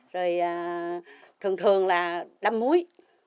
rồi thường thường là đâm muối